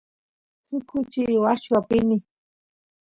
suk kuchi washchu apini